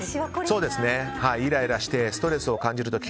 イライラしてストレスを感じる時。